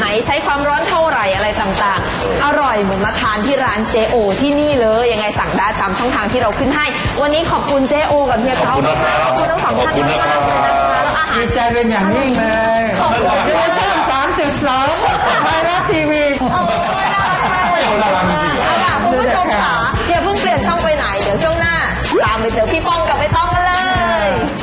อ่าคุณผู้ชมหรอพึ่งเปลี่ยนช่องไปไหนเดี๋ยวช่องหน้าตามไปเจอกับพี่ป้องกับไอ้ต้องมาเลย